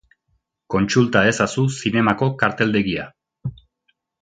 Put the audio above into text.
Kontsulta ezazu zinemako karteldegia.